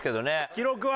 記録は？